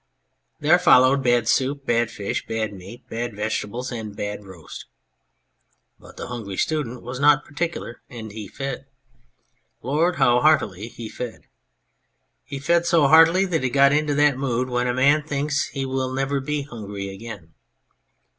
There followed bad soup, bad fish, bad meat, bad vegetables, and bad roast. But the Hungry Student was not particular, and he fed. Lord ! how heartily he fed ! He fed so heartily that he got into that mood when a man thinks he will never be hungry again.